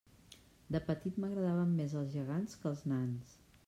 De petit m'agradaven més els gegants que els nans.